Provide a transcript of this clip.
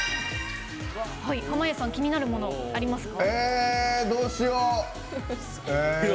濱家さん気になるものありますか？